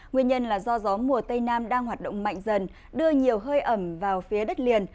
nguyên nhân là do gió mùa tây nam đang hoạt động mạnh dần đưa nhiều hơi ẩm vào phía đất liền